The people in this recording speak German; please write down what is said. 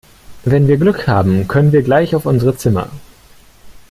Wenn wir Glück haben können wir gleich auf unsere Zimmer.